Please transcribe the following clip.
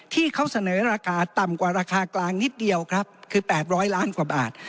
ที่เขาเสนอราคาต่ำกว่าราคากลางนิดเดียวครับคือ๘๐๐ล้านกว่าบาท